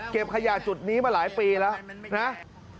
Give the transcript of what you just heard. ขยะจุดนี้มาหลายปีแล้วนะ